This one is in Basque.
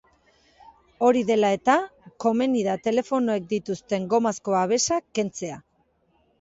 Hori dela eta, komeni da telefonoek dituzten gomazko babesak kentzea.